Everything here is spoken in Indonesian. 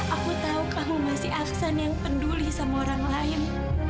aku tahu kamu masih aksan yang peduli sama orang lain